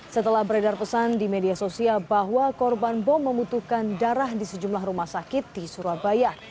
setelah beredar pesan di media sosial bahwa korban bom membutuhkan darah di sejumlah rumah sakit di surabaya